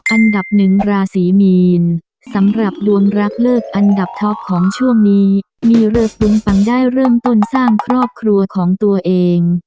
อันดับหนึ่งราศีมีนสำหรับดวงรักเลิกอันดับท็อปของช่วงนี้มีเลิกปุ้งปังได้เริ่มต้นสร้างครอบครัวของตัวเอง